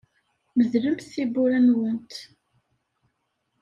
Medlemt tiwwura-nwent.